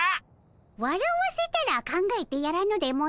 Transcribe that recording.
わらわせたら考えてやらぬでもない。